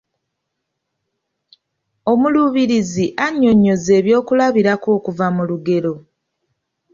Omuluubirizi annyonnyoze ebyokulabirako okuva mu lugero.